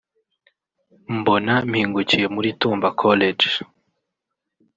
mbona mpingukiye muri Tumba College